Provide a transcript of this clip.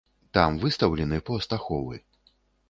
Там выстаўлены пост аховы.